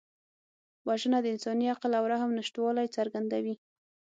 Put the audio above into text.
وژنه د انساني عقل او رحم نشتوالی څرګندوي